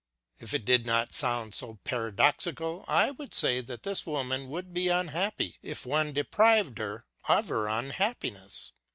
If it did not sound so paradoxical, I would say that this woman would be unhappy if one de prived her of her unhappiness.